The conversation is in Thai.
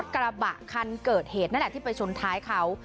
ขั้นเกิดเหตุนัดแต่ที่ไปชนท้ายเขา